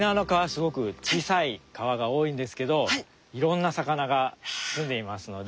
すごく小さい川が多いんですけどいろんな魚が住んでいますので。